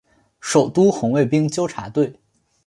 首都红卫兵纠察队。